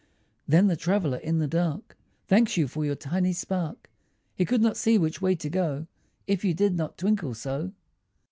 Then the traveller in the dark Thanks you for your tiny spark; He could not see which way to go, If you did not twinkle so.